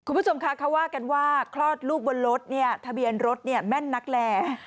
คุณผู้ชมคะเขาว่ากันว่าคลอดลูกบนรถเนี่ยทะเบียนรถเนี่ยแม่นนักแล